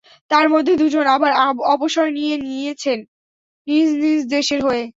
তার মধ্যে দুজন আবার অবসর নিয়ে নিয়েছেন নিজ নিজ দেশের হয়ে।